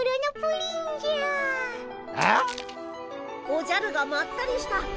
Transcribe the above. おじゃるがまったりした。